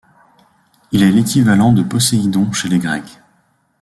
Il est l’équivalent de Poséidon chez les Grecs.